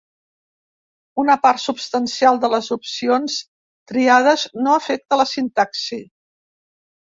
Una part substancial de les opcions triades no afecta la sintaxi.